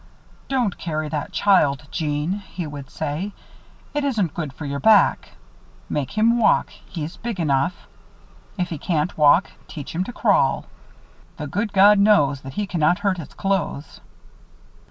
"Don't carry that child, Jeanne," he would say. "It isn't good for your back. Make him walk he's big enough. If he can't walk, teach him to crawl. The good God knows that he cannot hurt his clothes."